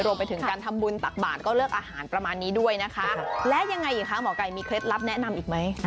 รวมไปถึงการทำบุญตักบาทก็เลิกอาหารประมาณนี้ด้วยนะคะและยังไงอีกคะหมอไก่มีเคล็ดลับแนะนำอีกไหม